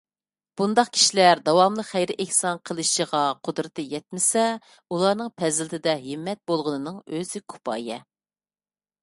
بۇنداق كىشىلەر داۋاملىق خەير - ئېھسان قىلىشىغا قۇدرىتى يەتمىسە، ئۇلارنىڭ پەزىلىتىدە ھىممەت بولغىنىنىڭ ئۆزى كۇپايە.